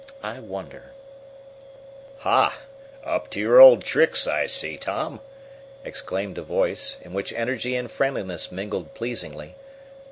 I wonder " "Ha! Up to your old tricks, I see, Tom!" exclaimed a voice, in which energy and friendliness mingled pleasingly.